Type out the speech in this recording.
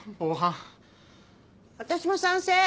私も賛成！